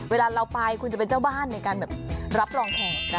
เวลาเราไปคุณจะเป็นเจ้าบ้านในการแบบรับรองแขกนะคะ